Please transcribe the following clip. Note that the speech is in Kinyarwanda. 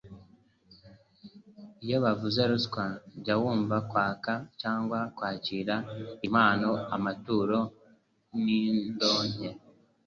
Iyo bavuze ruswa jya wumva kwaka cyangwa kwakira impano, amaturo n'indonke